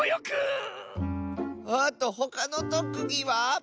あとほかのとくぎは？